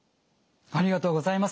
ありがとうございます。